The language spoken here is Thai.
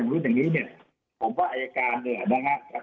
เหล่านี้นะครับไปให้ค่อยคำนะครับหรือไปสอบถาม